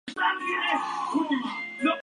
Era hijo de Qutb ad-Din Muhammad.